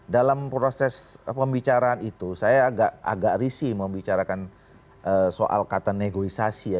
dalam proses pembicaraan itu saya agak risih membicarakan soal kata negosiasi ya